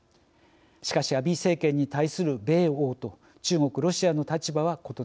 しかしアビー政権に対する米欧と中国・ロシアの立場は異なります。